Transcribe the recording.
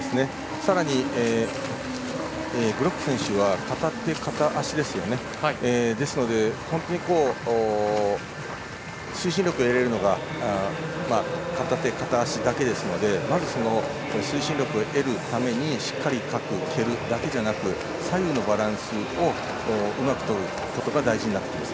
さらに、グロック選手は片手と片足ですので本当に推進力を得られるのが片手、片足だけですのでまず推進力を得るためにしっかりかく、蹴るだけじゃなく左右のバランスをうまくとることが大事になってきます。